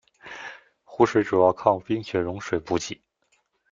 湖水主要靠冰雪融水补给。